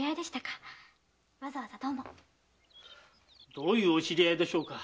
どういうお知り合いでしょうか？